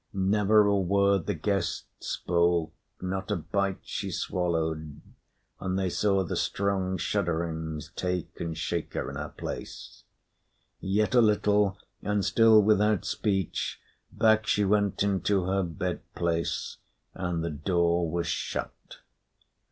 Never a word the guest spoke, not a bite she swallowed, and they saw the strong shudderings take and shake her in her place. Yet a little, and still without speech, back she went into her bad place, and the door was shut.